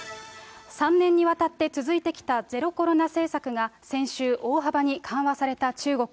３年にわたって続いてきたゼロコロナ政策が先週、大幅に緩和された中国。